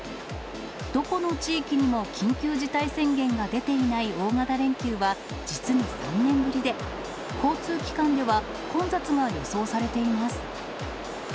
どこの地域にも緊急事態宣言が出ていない大型連休は、実に３年ぶりで、交通機関では混雑が予想されています。